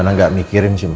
gimana gak mikirin sih ma